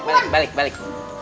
balik balik balik balik